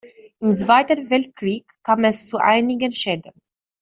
Im Zweiten Weltkrieg kam es zu einigen Schäden.